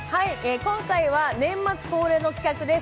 今回は年末恒例の企画です。